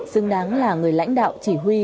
xứng đáng là người lãnh đạo chỉ huy